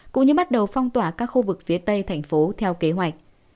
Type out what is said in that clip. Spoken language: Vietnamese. cũng như bắt đầu phong tỏa các khu vực phía tây thành phố theo kế hoạch